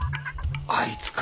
あいつか。